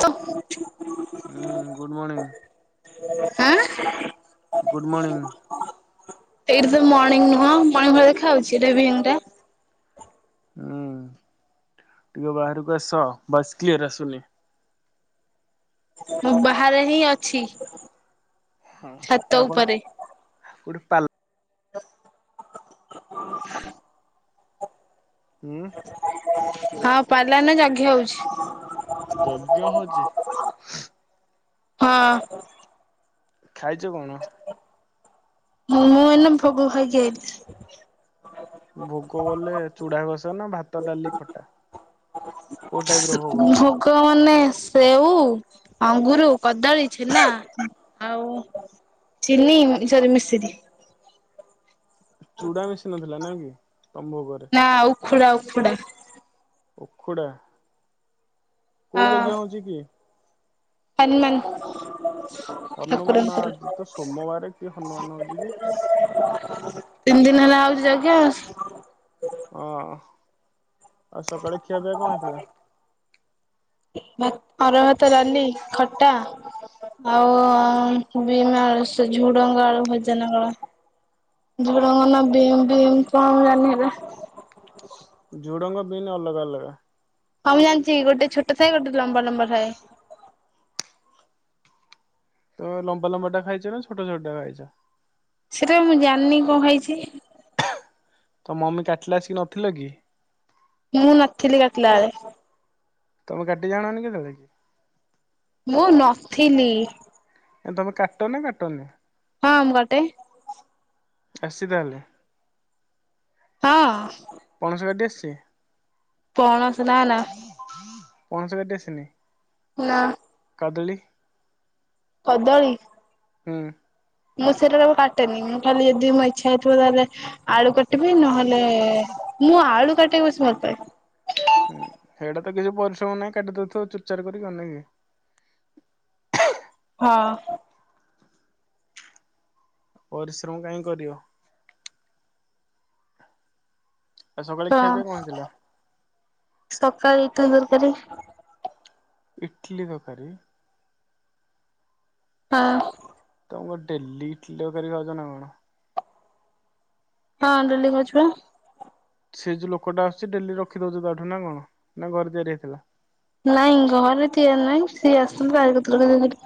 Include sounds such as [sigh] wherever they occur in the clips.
ତ ହୁଁ good morning. [inaudible] Good morning. ଏଇଠି ତ ମର୍ଣିଙ୍ଗ ନୁହଁ ମଣି ଭଳି ଦେଖା ହଉଚି ଇଭିନିଂ ଟା। ହୁଁ ଟିକେ ବାହାରକୁ ଆସ ଭଏସ କ୍ଲିଅର ଆସୁନି। ମୁଁ ବାହାରେ ହିଁ ଅଛି। ହଁ ଛାତ ଆପଣ ଉପରେ କୋଉଠି ପାର୍ଲ୍ [inaudible] ହୁଁ? ହଁ ପାର୍ଲର ନା ଜଘି ହଉଚି। ଯଜ୍ଞ ହଉଚି। ହଁ। ଖାଇଚ କଣ? ମୁଁ ଏଇଲେ ଭୋଗ ଖାଇକି ଆଇଲି। ଭୋଗ ବଲେ ଚୁଡା ଘଷା ନା ଭାତ ଡାଲି ଖଟା। କୋଉ ଟାଇପ ର ଭୋଗ ମାନେ ସେଉ ଅଙ୍ଗୁର କଦଳୀ ଛେନା ଆଉ ଚିନି ମଣି ସରି ମିଶରି ଚୁଡା ମିଶି ନଥିଲା ନାଇ କି? ତମ ଭୋଗରେ ନା ଉଖୁଡା ଉଖୁଡା। ଉଖୁଡା। କୋଉ ହଁ ଯଜ୍ଞା ହଉଛି କି? ହନୁମାନ। ହନୁମାନ ଠାକୁରଙ୍କର ଆଜି ତ ସୋମବାର କି ହନୁମାନ ହଉଚି ଯେ। ତିନି ଦିନ ହେଲା ହଉଛି ଯଜ୍ଞ। ଓ, ଆଉ ସକାଳେ ଖିଆ ପିଆ କଣ ହେଇଥିଲା? ଅରୁଆ ଭାତ, ଡାଲି, ଖଟା। ଆଉ ବିନ ଆଳୁ ସେ ଝୁଡଙ୍ଗ ଆଳୁ ଭଜା ନା କଣ। ଝୁଡ଼ଙ୍ଗ ନା ବିମ୍ ଫିମ୍ କଣ ମୁଁ ଜାଣିନି ହେଟା। ଝୁଡଙ୍ଗ ବିନ ଅଲଗା ଅଲଗା। ହଁ ମୁଁ ଜାଣିଚି। ଗୋଟେ ଛୋଟ ଥାଏ ଗୋଟେ ଲମ୍ବା ଲମ୍ବା ଥାଏ। ତମେ ଲମ୍ବା ଲମ୍ବାଟା ଖାଇଚ ନା ଛୋଟା ଛୋଟା ଖାଇଚ? ଏଟା ମୁଁ ଜାଣିନି କଣ ଖାଇଚି? ତମ ମମି କାଟିଲା ଆସିକି ନଥିଲ କି? ମୁଁ ନଥିଲି କାଟିଲା ବେଳେ। ତମେ କାଟି ଜାଣନି କି କେବେ? ମୁଁ ନଥିଲି। ଆ ତମେ କାଟ ନା କାଟନି? ହଁ ମୁଁ କାଟେ। ଆସିଚି ତାହେଲେ? ହଁ। ପଣସ କାଟି ଆସିଚି? ପଣ ପଣସ କାଟି ଆସିନି? ନା। [unintelligible] କଦଳୀ। ହୁଁ। ମୁଁ ସେଇରା ଯାକ କାଟେନି। ମୁଁ ଖାଲି ଯଦି ମୋ ଇଚ୍ଛା ହେଇଥିବ ତାହେଲେ ଆଳୁ କା ଟିବି, ନହେଲେ ମୁଁ ଆଳୁ କାଟିବାକୁ ବେଶୀ ଭଲ ପାଏ। ହୁଁ ହେଇଟା ତ କିଛି ପରିଶ୍ରମ ନାହିଁ କାଟିଦଉଥିବ ଚୁୁରଚାର କରିକି କଣ ନାଇକି। [inaudible] ହଁ। ପରିଶ୍ରମ କାହିଁ କରିବ। ଆଉ ସକାଳେ ହଁ ଖିଆ ପିଆ କଣ ହେଇଥିଲା? ସକାଳେ ଇଟିଲି ତରକାରୀ। ଇଟଲି ତରକାରୀ। ହଁ। ତମେ କଣ ଡେଲି ଇଟିଲି ତରକାରି ଖାଉଛ ନା କଣ? ହଁ ଡେଲି ଖାଉଚି ପା। ସେ ଯୋଉ ଲୋକଟା ଆସୁଛି ଡେଲି ରଖି ଦଉଛି ତାଠୁ ନା କଣ? ନା ଘରେ ତିଆରି ହେଇଥିଲା? ନାଇଁ ଘରେ ତିଆରି ନାହିଁ। ସିଏ ଆସୁଛନ୍ତି ତାହାରି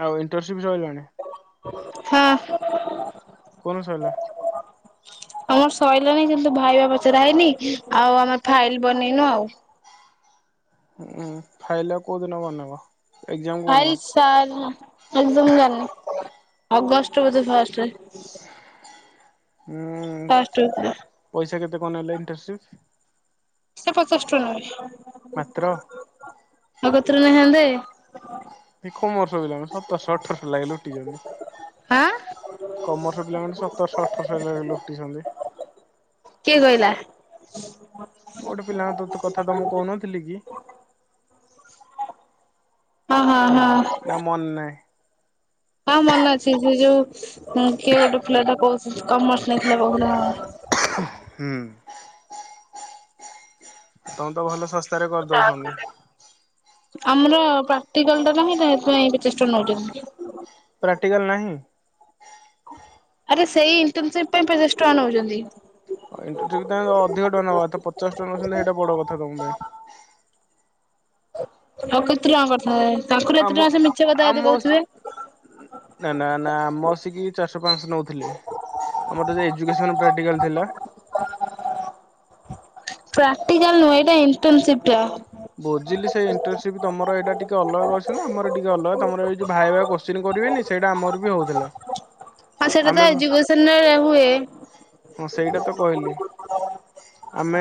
ଆଉ। [unintelligible] ହଁ। ଫୁଲ୍ ସଇଲା। ଆମର ସଇଲାଣିି କିନ୍ତୁ ଭାଇବା ପଚରା ହେଇନି। ଆଉ ଆମର ଫାଇଲ ବନେଇନୁ ଆଉ। ହୁଁ, ଫାଇଲ ଆଉ କଉଦିନ ବନେଇବ? ଏକ୍ଜାମ କୋଉଦିନ ଫାଇଲ ସାର୍, ମୁଁ ଯାନିନି। ଅଗଷ୍ଟ ବୋଧେ ଫାଷ୍ଟରେ। ହୁଁ, ଫାଷ୍ଟ ୱିକରେ। ପଇସା କେତେ କଣ ନେଲେ ଇଣ୍ଟର୍ସିପ୍? ସେ ପଚାଶ ଟଙ୍କା ମାତ୍ର ନେବେ। ନଗତ୍ର ନିହାଲଦେ। କମରସ ପିଲାଙ୍କ ସତରଶହ ଅଠରଶହ ଲାଗିଲେ ଲୁଟିଛନତି। ଆଁ କମର୍ସ ପିଲାମାନେ ସତରଶହ ଅଠରଶହ ଭଳିଆ ଲୁଟିଛନ୍ତି। ହ ମୁଁ ଗୋଟେ ପିଲାଙ୍କ ତା କଥା ତମକୁ କହୁନଥିଲି କି? ହଁ ହଁ ଚାହିଁ ହଁ ନା ମନ ନାହିଁ? ହଁ ମନେ ଅଛି ସେ ଯୋଉ କିଏ ଗୋଟେ ପିଲାଟା କହୁ କମର୍ସ ନେଇଥିଲା କହୁଥିଲା। ହଁ। ହ ହୁଁ ତମେ ତ ଭଲ ଶ ସ୍ତାରେ କରିଦଉଛନ୍ତି। ଆମର ପ୍ରାକ୍ଟିକାଲ ଟା ନାହିଁ ତ? ସେଇଥି ପାଇଁ ପଚାଷ ଟଙ୍କା ନଉଛନ୍ତି। ପ୍ରାକ୍ଟିକାଲ ନାହିଁ? ଆରେ ସେଇ ଇଣ୍ଟନସିିପ ପାଇଁ ପଚାଶ ଟଙ୍କା ନଉଛନ୍ତି। ଅ ଇଣ୍ଟନସିିପ ତାଙ୍କ ଅଧିକ ଟଙ୍କା ନବା କଥା ପଚାଶ ଟଙ୍କା ନଉଛନ୍ତି ସେଇଟା ବଡ କଥା ତମ ପାଇଁ। ଆଉ କେତେ ଟଙ୍କା କରିଥାନ୍ତେ। ତାଙ୍କର ଏତେ ଆମ ଟଙ୍କା ସେ ମିଛ କଥା ଯଦି ଆମ କହୁଥିବେ। ନା ନା ନା ଆମ କି ଚାରିଶହ ପାଞ୍ଚଶହ ନଉଥିଲେ। ଆମର ଟିକେ ଏଜୁକେସନ ପାଟିକାଲ ଥିଲା। ପ୍ରାକ୍ଟିକାଲ ନୁହେଁ। ଏଇଟା ଇଣ୍ଟର୍ନସିପ ଟା। ବୁଝିଲି ସେଇ ଇଣ୍ଟରସିପ ତମର ଏଇଟା ଟିକେ ଅଲଗା କୋଶଚିନ ଆମର ଟିକେ ଅଲଗା। ତମର ଏ ଯଉ ଭାଇ ଭାଇ କୋଶଚିନି କରିବେନି ସେଇଟା ଆମର ବି ହଉଥିଲା। ହ ହଁ ସେଇଟା ତ ଏଜୁକେସନରେ ହୁଏ। ହଁ ସେଇଟା ତ କହିଲି। ଆମେ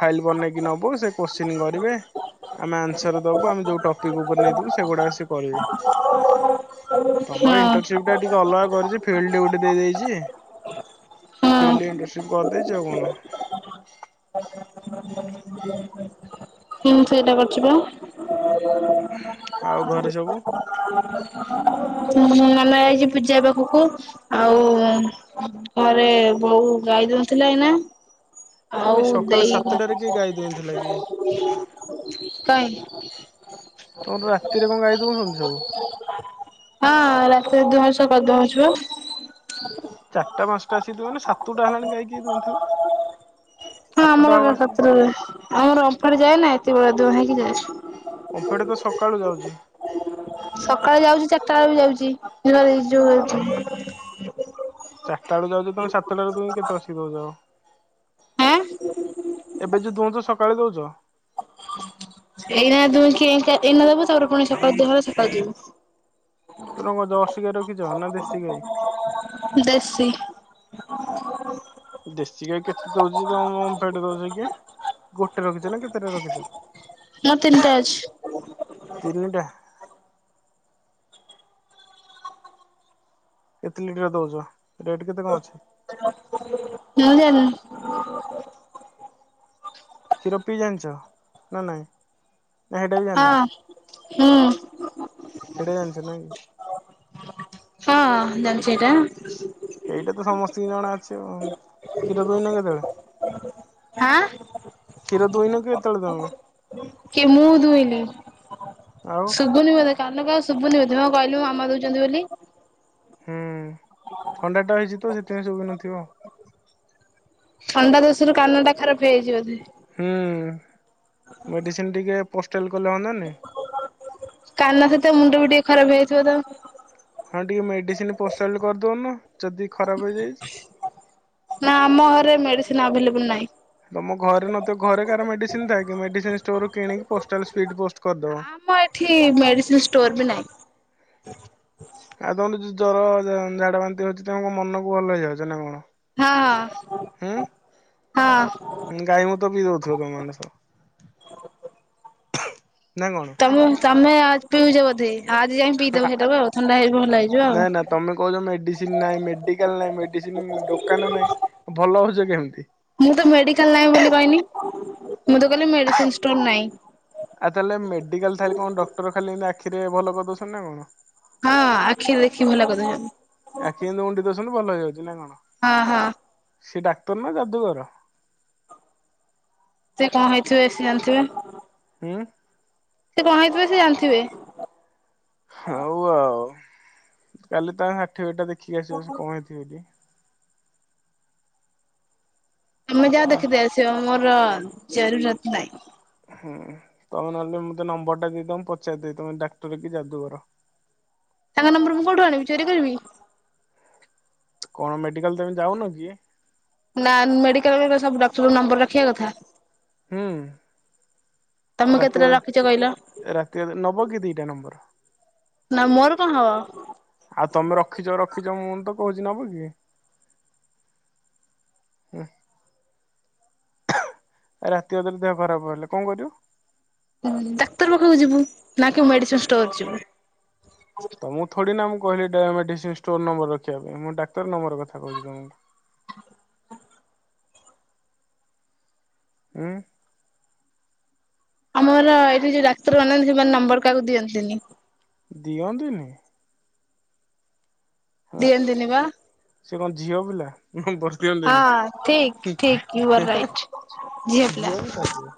ଫାଇଲ ବନେଇକି ନବୁ ସେ କୋଶ୍ଚିନ୍ କରିବେ? ଆମେ ଆନ୍ସର ଦବୁ ଆମେ ଯୋଉ ଟପିକ ଉପରେ ନେଇଥିବୁ ସେଗୁଡା ଆସି କରିବେ। ହ ହ ତମର ଇଣ୍ଟରନସିପ ଟା ଟିକେ ଅଲଗା କରିଛି ଫିଲ୍ଡି ଗୋଟେ ଦେଇଦେଇଛି। ଫିଲ୍ଡ ହଁ। ଇଣ୍ଟରଶିପ କରି ଦେଇଛି। ଆଉ କଣ? ହୁଁ ସେଇଟା କରିଚି ପା। ଆଉ ଘରେ ସବୁ। ହୁଁ ନନା ଯାଇଛି ପୂଜା ପାଖକୁ। ଆଉ ଘରେ ବୋଉ ଗାଈ ଦୁହୁଁଥିଲା ଏଇନା। ଆଉ ଏଇ ସକାଳ ଦେଇ ସାତଟାରେ କିଏ ଗାଈ ଦୁଉଁଥିଲା କି କାଇଁ। ତମର ରାତିରେ କଣ ଗାଈ ଦଉନକୀ ସବୁ। ହଁ ରାତିରେ ଦୁହିକି ସୁବ କରିଦଉଛୁପା। ଟା ପାଞ୍ଚଟା ଆସିକି ଦୁହିଁବନା। ସାତୁଟା ହେଲାଣି ଗାଇକିଏ ଦୁହିଁଥିଲା। ହଁ ଆମର ଗ ସତ୍ରୁ ଆମର ଅମ୍ଫେଡ ଯାଏ ନା ଏତିକି ବଳଳିଆ ଦୁହାଁ ହେଇକି ଯାଉଚି। ଅମ୍ଫେଡ ତ ସକାଳୁ ଯାଉଛି। ସକାଳେ ଯାଉଛି ଚାରିଟା ବେଳକୁ ଯାଉଛି ଏରା ଯାଉ ଚାରିଟା ବେଳକୁ ଯାଉଛ ତମେ ସାତଟା ବେଳେ ଦୁହିଁକି କେତେବେଳେ ଆଶିକି ଦୋଉଚ। ଆଁ ଏବେ ଯୋଉ ଦୁହୁଁଛ ସକାଳେ ଦଉଛ। ଏଇନା ଦୁହିଁକି ଏଇନା ଦବୁ ତାପରେ ପୁଣି ସକାଳୁ ଦୁହିଁଲେ ସକାଳୁ ଦବୁ। ତମର କଣ ଦରସି ଗାଈ ରଖୀଚ ନା ଦେଶୀ ଗାଈ। ଦେଶୀ। ଦେଶୀ ଗାଈ କେତେ ଦଉଚି କଣ ଓମଫେଡ ଦଉଚକି? ଗୋଟେ ରଖିଛ ନା କେତେଟା ରଖିଚ। ମୋର ତିନିଟା ଅଛି ତିନିଟା। କେତେ ଲିଟର ଦଉଚ। ମୁଁ ଜାଣିନି। କ୍ଷୀର ପି ଜାଣିଛ ନା ସେଟା ବି ହଁ ଜାଣିନ? ହୁଁ। ହିଟେ ଜାଣିଛ ନ କି। ହଁ ଜ ସେଟା। ସେଇଟା ତ ସମସ୍ତଙ୍କୁ ଜଣା ଅଛି କ୍ଷୀର ଦୁଇ ନ କେତେବେଳେ? ଆଁ? କ୍ଷୀର ଦୁଇନ କେତେବେଳେ ତମେ? କିଏ ମୁଁ ଦୁଇଁନି ଆଉ ଶୁଭୁନି ମତେ। କାାନ କା ଶୁଭୁନି ବଧ କହିଲୁ ମାମା ଦଉଛନ୍ତି ବୋଲି ହୁଁ ଥଣ୍ଡା ଟା ହେଇଛି ତ ସେଥିପାଇଁ ସବୁ ବି ନଥିବ। ଥଣ୍ଡା ଦୋଷରୁ କାନ ଟା ଖରାପ ହେଇଯିବ ବୋଧେ। ହୁଁ ମେଡିସିନ ଟିକେ [unintelligible] ତ ମୁଣ୍ଡ ବି ଟିକେ ଖରାପ ହେଇଥିବ ତ? ହଁ ଟିକେ ମେଡିସିନ ପୋସା କରିଦଉନ ଯଦି ଖରାପ ହେଇଯାଇଛି। ନା ଆମ ଘରେ ମେଡିସିନ ଆଭେଲେବୁଲ ନାହିଁ। ତମ ଘରେ ନଥିବ ଘରେ କାହାର ମେଡିସିନ ଥାକ କି ମେଡିସିନ ୋରୁ କିଣିକି ପ ପ ଆମ ଏଠି ମେଡିସିନ ଷ୍ଟୋର ବି ନହିଁ। ଆଉ ତମ ଯ ଜର ଝାଡା ବାନ୍ତି ହଉଛି ତମ ମନକୁ ଭଲ ହେଇଯାଉଛ ନା କଣ। ହଁ ହ। ହୁଁ ଗାଈ ମ ତ ବିି ଦଉଥିବ ତମାନେ ସବ। ତମେ ତମେ ଆ ପିଉଛ ବଧେ ଆଜି ଯାଇକି ପିଇଦବ ସେଇଟା ଆଉ ଥଣ୍ଡା ହେଇଯ ଭଲ ହେଇଯିବ। ଆଉ। ନାାଇ ନା ତମେ କହୁଛ ମେଡିସିନ ନାାଇଁ ମେଡିକାଲ ନାାଇଁ ମେଡିସିନ ଦୋକାନ ନାାଇଁ ଭଲ ହଉଛ କେମିତି? ମୁଁ ତ ମେଡିକାଲ ନାହିଁ ବୋଲି କହନି ମୁଁ ତ କହିଲି ମେଡିସିୋର ନାହିଁ। ଆଉ ତାହେଲେ ମେଡିକାଲ ଥଲେ କଣ ଡକ୍ଟର ଖାଲି ଏମିତି ଆଖିରେ ଭଲ କରିଦଉଛନ୍ତି ନା କଣ। ହଁ ଆଖିରେ ଦେଖିକି ଭଲ କରିଦଉଛନ୍ତି। ଆଖି ଏମିତିଉଣ୍ଡି ଦସନ୍ତୁ ଭଲ ହେଇଯାଉଛି ନା କଣ? ହଁ ହଁ। ସେ ଡାକ୍ତର ନା ଯାଦୁଗର। ସେ କଣ ହେଇଥିବେ ବ ସେ ଜାଣିଥିବେ। ହଁ। ସେ କଣ ହେଇଥିବେ ସେ ଜାଣିଥିବେ। ହଉ ଆଉ କାଲି ତା ଷାଠିଏ ବଜ ଟା ଦେଖିକି ଆସିବ ସେ କଣ ହେଇଥିବ ଟ। ତମେ ଯାହା ଆଉ ଦେଖିଥା ଆସିବ ମୋର ଜରୁରତ ନାହିଁ। ହୁଁ ତମେ ନହେଲେ ମତେ ନମ୍ବର ଟା ଦେଇଦମ ପଚାରିଦ ତମେ ଡାକ୍ତର କି ଯାଦୁବର। [inaudible] ତାଙ୍କ ନମ୍ବର ମୁଁ କଉଠୁ ଆଣିବି କଣ ଚୋରି କରିବି? କଣ ମେଡିକାଲମ ଯାଉନ କି? ନା ମେଡିକାଲ ସବୁ ଡକ୍ଟର ନମ୍ବର ରଖିବା କଥା? ହୁଁ। ତମେ କେତେଟା ରାତି ରଖିଛ କହିଲ ରାତି ନବ କି ଦିଟା ନମ୍ବର? ନା ମୋର କଣ ହବ। ହଛି ନବ କି ରାତି ଅଦରେ ଦେହ ଖରାପ ହେଲେ କଣ କରିବ? ଡାକ୍ତର ପାଖକୁ ଯିବୁ ନା କେ ମେଡିସିନ ଷ୍ଟୋର ଯିବୁ। ତ ମୁଁ ଥଡି ନା ମୁଁ କିଲ ମେଡିସିନଷ୍ଟୋର ନମ୍ବର ରଖିବା ପାଇଁ ମୁଁ ତର ନମ୍ବର କଥା କହୁଛି ତମକୁ। ହ। ଆମର ଏଇଠି ଯୋଉ ଡାକ୍ତର ଅନାହାନ୍ତି ସେମାନେ ନମ୍ବର କାହାକୁ ଦିଅନ୍ତିନି। ଦିଅନ୍ତୁନି? ହଁ, ଦିଅନ୍ତିନି ବା। ସିଏ କଣ ଝିଅ ପିଲା? ନମ୍ବର ଦିଆନ୍ତୁନି, ହଁ ଠିକ ହୁଁ, ଠିକ ୟୁ ଆର୍ ହେଁହେଁ। ରାଇଟ୍। ଝିଅ ପିଲା ସେ।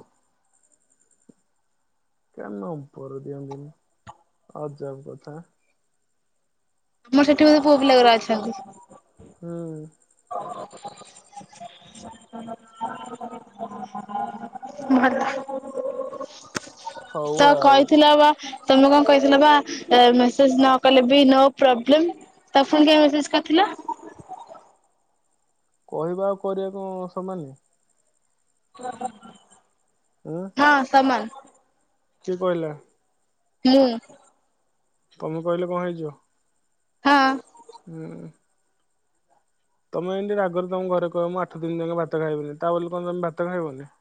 କିଆ ନମ୍ବର ଦିଅନ୍ତିନି ଅଜବ କଥା। ଆମର ସେଠି ବୋଧେ ପୁଅ ପିଲା ଗୁଡା ଅଛନ୍ତି। ହୁଁ। ହ ଭଲ। ହଉ ତ ଆଉ କହିଥିଲା ବା ତମେ କ'ଣ କହିଥିଲ ବା ଏ ମେସେଜ ନ କଲେ ବି ନୋ ପ୍ରବ୍ଲେମ୍। ତ ପୁଣି କାଇଁ ମେସେଜ କରିଥିଲ? ହୁଁ କହିବା ଆଉ କରିବା କ'ଣ ସମାନ? ଉଁ ହଁ, ସମାନ। କିଏ କହିଲା? ମୁଁ ତମେ କହିଲେ କ'ଣ ହେଇଯିବ? ହଁ। ହୁଁ। ତମେ ଏମିତି ରାଗରେ ତମ ଘରେ କହିବ, ମୁଁ ଆଠ ଦିନି ଯାକେ ଭାତ ଖାଇବନି ତା ବୋଲି ତମେ ଯମା ଭାତ ଖାଇବନି?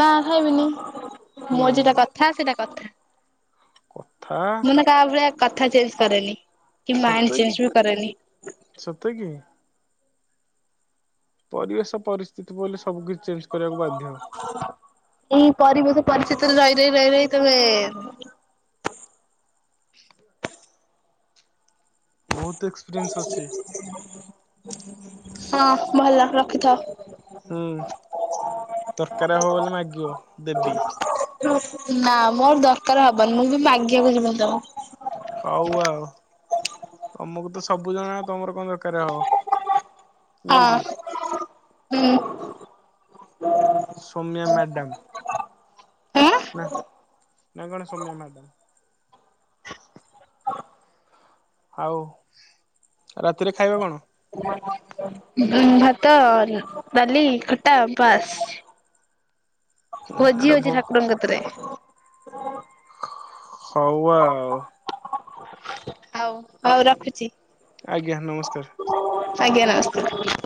ନା, ଖାଇବିନି ନା ମୋର ଯଉଟା କଥା ସେଇଟା କଥା। କଥା ମୁଁ ନା, କାହା ଭଳିଆ କଥା ଚେଞ୍ଜ କରେନି। କି ସତ ମାଇଣ୍ଡ କି ଚେଞ୍ଜ ବି କରେନି। ସତ କି? ପରିବେଶ ପରିସ୍ଥିତି ପଇଲେ ସବୁ କିଛି ଚେଞ୍ଜ କରିବାକୁ ବାଧ୍ୟ। ଏଇ ପରିବେଶ ପରିସ୍ଥିତିରେ ରହି, ରହି, ରହି, ରହି ତମେ ବହୁତ ଏକ୍ସପିରିଏନ୍ସ ଅଛି ହଁ, ଭଲ ରଖିଥାଅ। ହୁଁ, ଦରକାର ହବ ବୋଲେ ମାଗିବ ଦେବି। ନା, ମୋର ଦରକାର ହବନି ମୁଁ ବି ମାଗିବାକୁ ଯିବିନି ତମ ହଉ ଆଉ। ତମକୁ ତ ସବୁ ଜଣା ତମର କ'ଣ ଦରକାର ହବ? ନାଇଁ ହଁ, କି ହୁଁ। ସୌମ୍ୟା ମ୍ୟାଡାମ ନା, ନା କ'ଣ ସୋମ୍ୟା ମ୍ୟାଡମ୍? ଆଉ ରାତିରେ ଖାଇବ କ'ଣ? ଭାତ, ଡାଲି, ଖଟା, ପାସ୍। ଭୋଜି ଏଟା ହଉଚି ଭୋ ଠାକୁରଙ୍କ କତିରେ। ହଉ ଆଉ। ଆଉ ହଉ ରଖୁଛି। ଆଜ୍ଞା, ନମସ୍କାର। ଆଜ୍ଞା, ନମସ୍କାର।